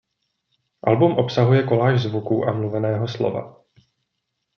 Album obsahuje koláž zvuků a mluveného slova.